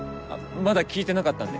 まだ聞いてなかったんで。